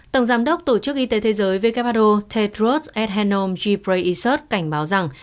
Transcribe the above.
tổng giám đốc tổ chức y tế thế giới who tedros adhanom ghebreyesus cảnh báo rằng